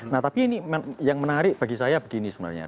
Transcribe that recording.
nah tapi ini yang menarik bagi saya begini sebenarnya